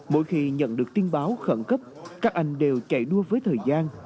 mỗi khi nhận được tin báo khẩn cấp các anh đều chạy đua với thời gian